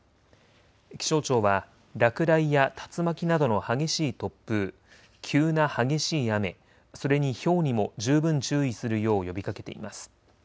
気象庁は落雷や竜巻などの激しい突風、急な激しい雨、それにひょうにも十分注意するよう呼びかけています。